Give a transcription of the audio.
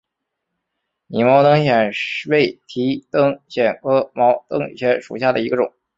拟毛灯藓为提灯藓科毛灯藓属下的一个种。